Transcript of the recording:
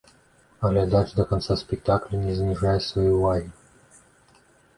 Глядач да канца спектакля не зніжае свае ўвагі.